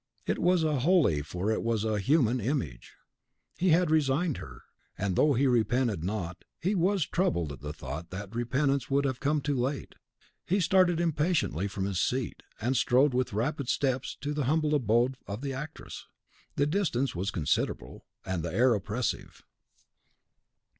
It was a holy for it was a HUMAN image. He had resigned her; and though he repented not, he was troubled at the thought that repentance would have come too late. He started impatiently from his seat, and strode with rapid steps to the humble abode of the actress. The distance was considerable, and the air oppressive.